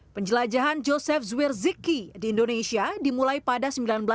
penjelajahan joseph zwierzycki di indonesia dimulai pada seribu sembilan ratus empat belas